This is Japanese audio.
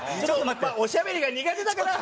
まあおしゃべりが苦手だから。